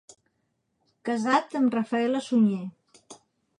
Casat amb Rafela Sunyer.